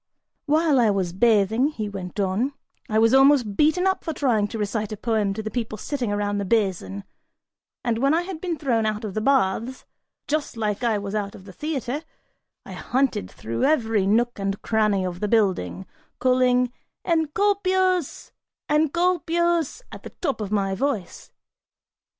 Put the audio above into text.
"While I was bathing," he went on, "I was almost beaten up for trying to recite a poem to the people sitting around the basin, and when I had been thrown out of the baths, just like I was out of the theatre, I hunted through every nook and cranny of the building, calling 'Encolpius, Encolpius,' at the top of my voice.